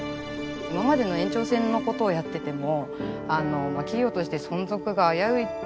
今までの延長線のことをやってても企業として存続が危うい。